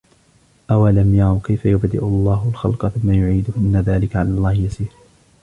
أَوَلَمْ يَرَوْا كَيْفَ يُبْدِئُ اللَّهُ الْخَلْقَ ثُمَّ يُعِيدُهُ إِنَّ ذَلِكَ عَلَى اللَّهِ يَسِيرٌ